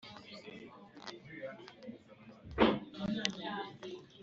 umwana izina ry uwo mubyeyi yihitiyemo